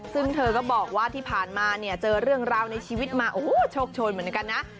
ซึ่งเธอก็บอกว่าที่ผ่านมาเนี่ยเจอเรื่องราวในชีวิตมาโอ้โหโชคโชนเหมือนกันนะ